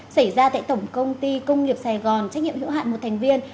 xảy ra tại tổng công ty công nghiệp sài gòn trách nhiệm hữu hạn một thành viên